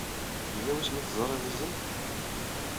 Yella wasmi ay teẓriḍ izem?